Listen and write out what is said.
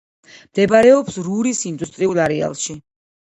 მდებარეობს რურის ინდუსტრიულ არეალში.